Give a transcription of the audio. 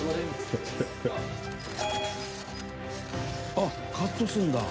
「あっカットするんだ」